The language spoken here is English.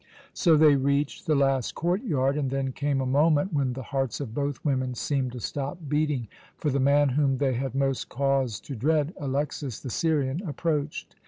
So they reached the last court yard, and then came a moment when the hearts of both women seemed to stop beating for the man whom they had most cause to dread, Alexas the Syrian, approached.